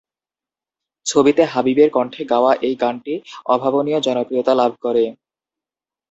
ছবিতে হাবিবের কণ্ঠে গাওয়া এই গানটি অভাবনীয় জনপ্রিয়তা লাভ করে।